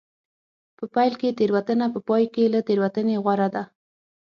په پیل کې تېروتنه په پای کې له تېروتنې غوره ده.